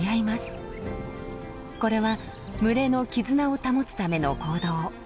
これは群れの絆を保つための行動。